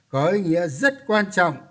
có ý nghĩa rất quan trọng